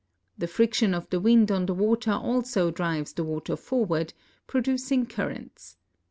The friction of the wind on the water also drives the water forward, producing currents.